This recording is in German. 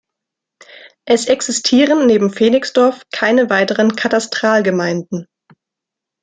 Es existieren neben Felixdorf keine weiteren Katastralgemeinden.